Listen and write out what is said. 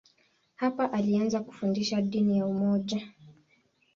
Hapo alianza kufundisha dini ya umoja.